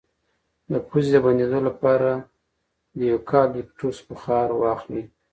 د پوزې د بندیدو لپاره د یوکالیپټوس بخار واخلئ